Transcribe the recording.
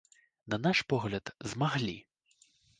На наш погляд, змаглі!